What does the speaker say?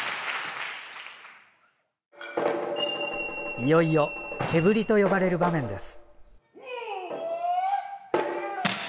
いよいよ毛振りと呼ばれる場面です。